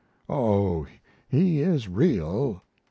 "Oh, he is real.